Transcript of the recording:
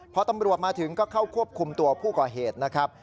พอตำรวจมาถึงก็เข้าควบคุมตัวผู้ก่อเหตุนะครับ